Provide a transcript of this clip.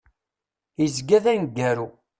Izga d aneggaru.